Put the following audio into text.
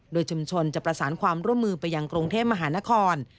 โดยชุมชนจะประสานความร่วมมือไปยังกรุงเทพมหานคร